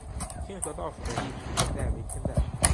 清河道署的历史年代为清代。